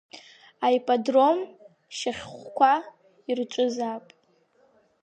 Аипподром шьахәқәа ирҿызаап.